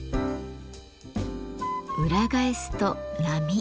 裏返すと波。